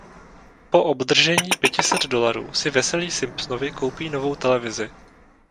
Po obdržení pěti set dolarů si veselí Simpsonovi koupí novou televizi.